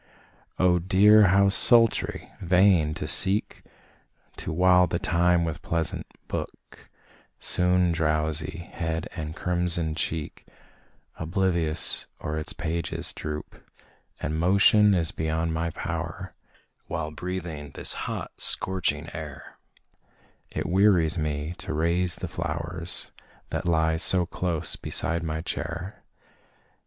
Oh dear! how sultry! vain to seek To while the time with pleasant book, Soon drowsy head and crimsoned cheek Oblivious o'er its pages droop And motion is beyond my power, While breathing this hot, scorching air, It wearies me to raise the flowers, That lie so close beside my chair.